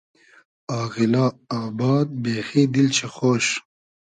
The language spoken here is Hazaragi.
آغیلا آباد , بېخی دیل شی خۉش